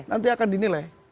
nanti akan dinilai